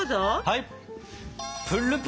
はい！